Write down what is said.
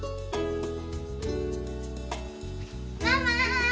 ママ！